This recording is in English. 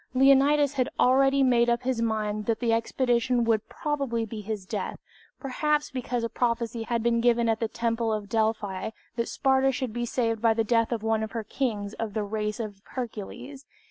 Leonidas had already made up his mind that the expedition would probably be his death, perhaps because a prophecy had been given at the Temple at Delphi that Sparta should be saved by the death of one of her kings of the race of Hercules.